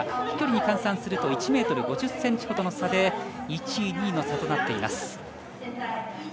飛距離に換算すると１ｍ５０ｃｍほどの差で１位、２位の差となっています。